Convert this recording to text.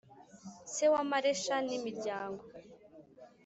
se wa Maresha n imiryango